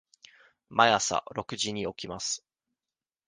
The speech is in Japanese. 毎朝六時に起きます。